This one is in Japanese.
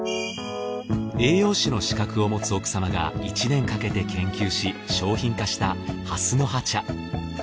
栄養士の資格を持つ奥さまが１年かけて研究し商品化した蓮の葉茶。